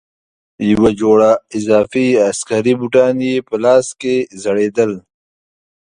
یوه جوړه اضافي عسکري بوټان یې په لاس کې ځړېدل.